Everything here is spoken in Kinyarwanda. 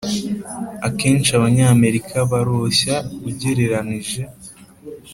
Akenshi Abanyamerika barorshya ugereranije